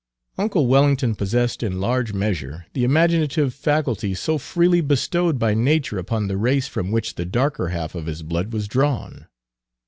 Uncle Wellington possessed in large measure the imaginative faculty so freely bestowed by nature upon the race from which the darker half of his blood was drawn.